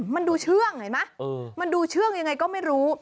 มันดูเชื่องเห็นไหมมันดูเชื่องยังไงก็ไม่รู้